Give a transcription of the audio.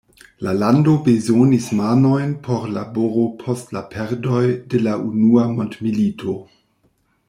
La lando bezonis manojn por laboro post la perdoj de la Unua Mondmilito.